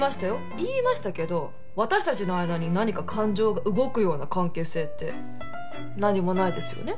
言いましたけど私たちの間に何か感情が動くような関係性って何もないですよね？